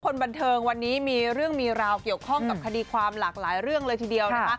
คนบันเทิงวันนี้มีเรื่องมีราวเกี่ยวข้องกับคดีความหลากหลายเรื่องเลยทีเดียวนะคะ